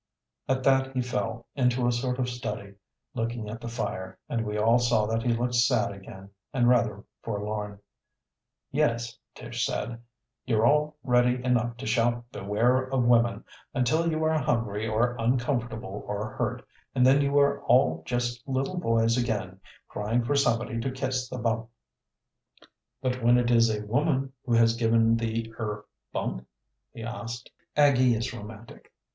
At that he fell into a sort of study, looking at the fire, and we all saw that he looked sad again and rather forlorn. "Yes," Tish said, "you're all ready enough to shout 'Beware of woman' until you are hungry or uncomfortable or hurt, and then you are all just little boys again, crying for somebody to kiss the bump." "But when it is a woman who has given the er bump?" he asked. Aggie is romantic.